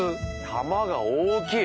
玉が大きい！